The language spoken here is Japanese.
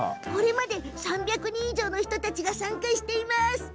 これまでに３００人以上の人たちが参加してます。